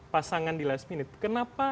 pasangan di last minute kenapa